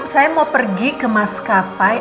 saya mau pergi kemas kapai